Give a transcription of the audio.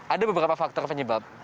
ada beberapa faktor penyebab